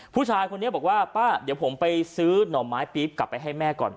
ผู้ชายคนนี้บอกว่าป้าเดี๋ยวผมไปซื้อหน่อไม้ปี๊บกลับไปให้แม่ก่อน